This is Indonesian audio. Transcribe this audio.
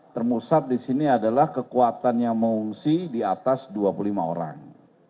termusat di sini adalah kekuatan yang mengungsi di atas dua puluh lima orang